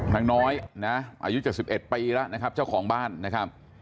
นางน้อยนะอายุ๗๑ปีแล้วนะครับเจ้าของบ้านนะครับ